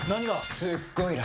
すっごい楽！